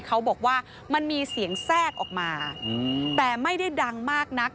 เขาบอกว่ามันมีเสียงแทรกออกมาแต่ไม่ได้ดังมากนัก